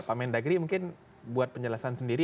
pak mendagri mungkin buat penjelasan sendiri